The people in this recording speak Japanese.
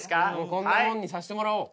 こんなもんにさせてもらおう。